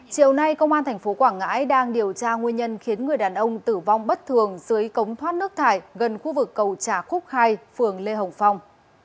chiều nay công an tp quảng ngãi đang điều tra nguyên nhân khiến người đàn ông tử vong bất thường dưới cống thoát nước thải gần khu vực cầu trà khúc hai phường lê hồng phong